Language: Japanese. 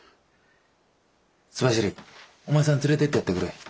州走りお前さん連れてってやってくれ。